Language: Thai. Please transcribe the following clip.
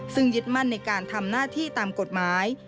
ซึ่งยึดมั่นในการทำหน้าที่ตามกฎหมาย